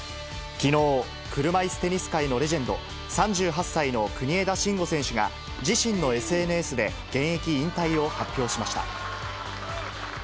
きのう、車いすテニス界のレジェンド、３８歳の国枝慎吾選手が、自身のＳＮＳで現役引退を発表しました。